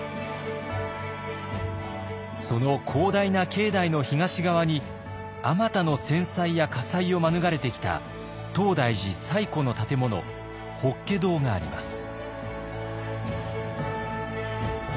その広大な境内の東側にあまたの戦災や火災を免れてきた東大寺最古の建物法華堂があります。